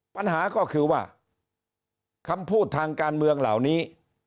ปัญหาก็คือว่าคำพูดทางการเมืองเหล่านี้